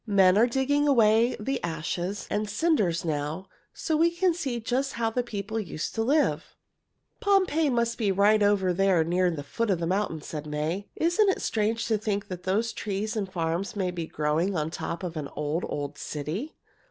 Men are digging away the ashes and cinders now, so we can see just how the people used to live." [Illustration: "Pompeii must be right over there," said May] "Pompeii must be right over there near the foot of the mountain," said May. "Isn't it strange to think that those trees and farms may be growing on top of an old, old city?"